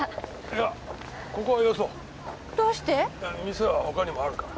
店は他にもあるから。